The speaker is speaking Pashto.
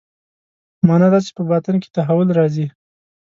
معنا دا چې په باطن کې تحول راځي.